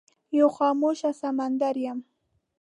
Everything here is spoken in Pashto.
یو خاموشه سمندر یم